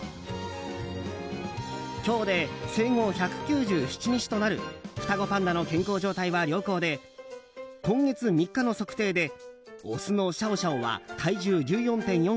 今日で生後１９７日となる双子パンダの健康状態は良好で今月３日の測定でオスのシャオシャオは体重１４．４ｋｇ